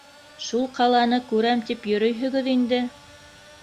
Шул ҡаланы күрәм тип йөрөйһөгөҙ инде.